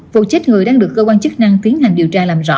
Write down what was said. vụ chết người đang được cơ quan chức năng tiến hành điều tra làm rõ